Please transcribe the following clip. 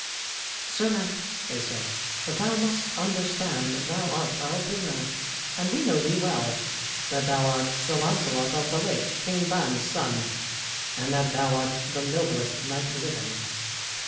"Sir knight," they said, "thou must understand thou art our prisoner; and we know thee well, that thou art Sir Launcelot of the Lake, King Ban's son, and that thou art the noblest knight living.